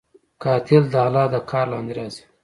قاتل د الله د قهر لاندې راځي